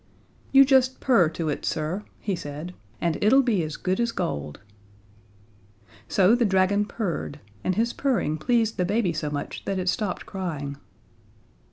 "You just purr to it, sir," he said, "and it'll be as good as gold." So the dragon purred, and his purring pleased the baby so much that it stopped crying.